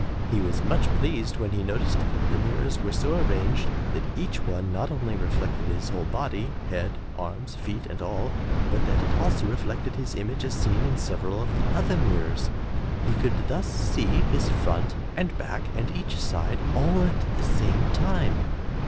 He was much pleased when he noticed that the mirrors were so arranged that each one not only reflected his whole body, head, arms, feet and all, but that it also reflected his image as seen in several of the other mirrors. He could thus see his front and back and each side, all at the same time.